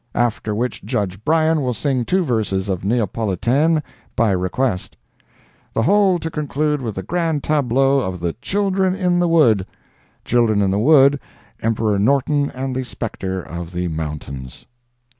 After which JUDGE BRYAN will sing two verses of "Neapolitaine"—by request. The whole to conclude with the grand tableau of the "Children in the Wood"—Children in the Wood: Emperor Norton and the Spectre of the Mountains.